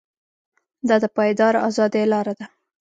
دا د پایداره ازادۍ لاره ده.